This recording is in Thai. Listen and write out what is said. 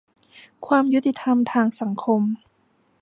ความยุติธรรมทางสังคม